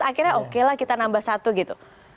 akhirnya okelah kita nambah satu gitu